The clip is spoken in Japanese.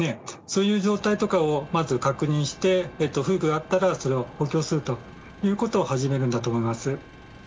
そういう状態とかを確認して不具合があったらそれを補強するということを始めるんだと思います。